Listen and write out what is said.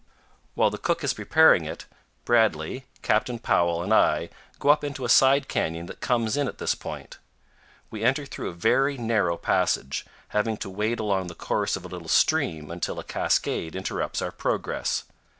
While the cook is preparing it, Bradley, Captain Powell, and I go up into a side canyon that comes in at this point. We enter through a very narrow passage, having to wade along the course of a little stream until a cascade interrupts our progress.